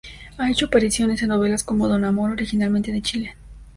Ha hecho apariciones en novelas como "Don Amor" originalmente de Chile.